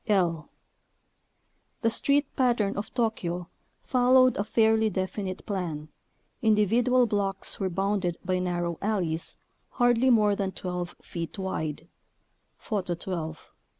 I. The street pattern of Tokyo followed a fairly definite plan. Individual blocks were bounded by narrow alleys, hardly more than 12 feet wide ( Photo 12 ).